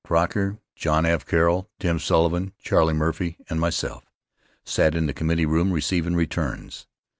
Croker, John F. Carroll, Tim Sullivan, Charlie Murphy, and myself sat in the committee room receivin' returns.